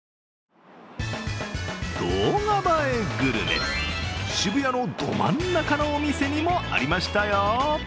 動画映えグルメ、渋谷のど真ん中のお店にもありましたよ。